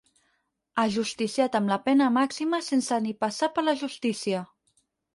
Ajusticiat amb la pena màxima sense ni passar per la justícia.